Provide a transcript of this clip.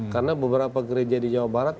karena beberapa gereja di jawa barat